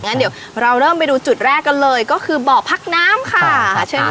งั้นเดี๋ยวเราเริ่มไปดูจุดแรกกันเลยก็คือบ่อพักน้ำค่ะเชิญค่ะ